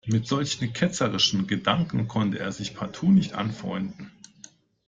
Mit solch ketzerischen Gedanken konnte er sich partout nicht anfreunden.